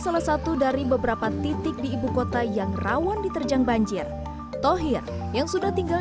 salah satu dari beberapa titik di ibu kota yang rawan diterjang banjir tohir yang sudah tinggal